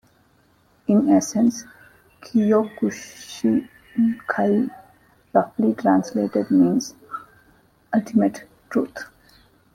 In essence Kyokushinkai, roughly translated, means "Ultimate Truth".